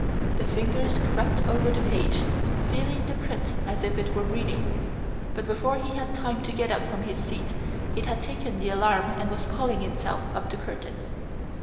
The fingers crept over the page, feeling the print as if it were reading; but before he had time to get up from his seat, it had taken the alarm and was pulling itself up the curtains.